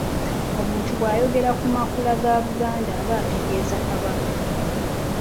Omuntu bw’ayogera ku makula ga Buganda aba ategeeza Kabaka.